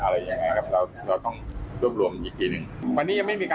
ทั้ง๖คนเจ็ดคน